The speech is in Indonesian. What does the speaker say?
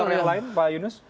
atau yang lain pak yunus